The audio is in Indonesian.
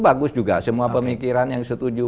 bagus juga semua pemikiran yang setuju